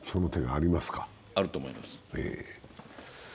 あると思います。